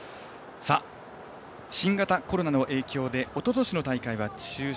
新型コロナの影響でおととしの大会は中止